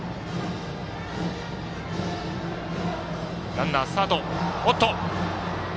ランナー、スタート。